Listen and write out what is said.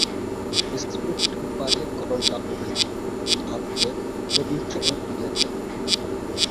স্ত্রীলোকটির পায়ে গরম ডাল পড়িয়াছিল, তাহার ফলে কবির চরণ পুড়িয়া যায়।